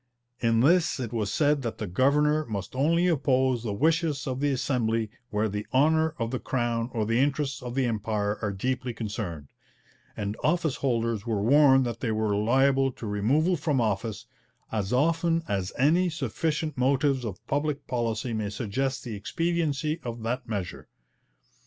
In this it was said that 'the governor must only oppose the wishes of the Assembly where the honour of the Crown, or the interests of the Empire, are deeply concerned,' and office holders were warned that they were liable to removal from office 'as often as any sufficient motives of public policy may suggest the expediency of that measure.'